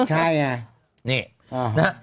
ใช่ไงนี่นะฮะ